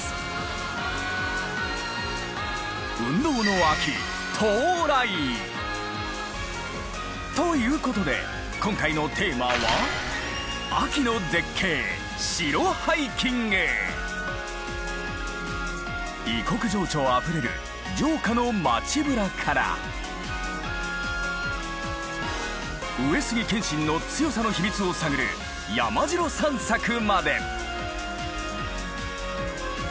運動の秋到来！ということで今回のテーマは異国情緒あふれる城下のまちぶらから上杉謙信の強さの秘密を探る山城散策まで。